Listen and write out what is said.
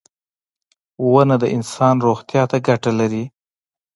• ونه د انسان روغتیا ته ګټه لري.